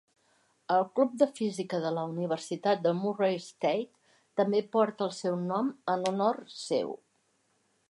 El club de física de la universitat de Murray State també porta el seu nom en honor seu.